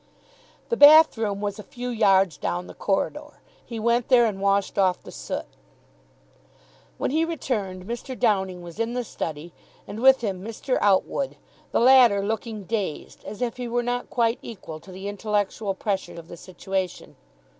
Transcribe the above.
The bathroom was a few yards down the corridor. He went there, and washed off the soot. When he returned, Mr. Downing was in the study, and with him Mr. Outwood, the latter looking dazed, as if he were not quite equal to the intellectual pressure of the situation.